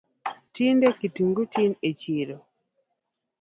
Tinde kitungu tin e chiro